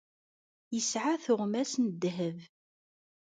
Yesεa tuɣmas n ddheb.